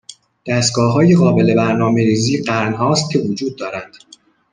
دستگاههای قابل برنامهریزی قرن هاست که وجود دارند.